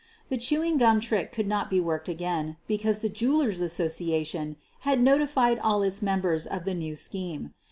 The chewing gum trick could not be worked again, be cause the jewelers' association had notified all its members of the new scheme.